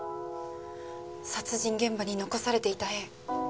殺人現場に残されていた絵。